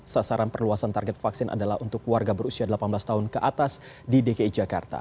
sasaran perluasan target vaksin adalah untuk warga berusia delapan belas tahun ke atas di dki jakarta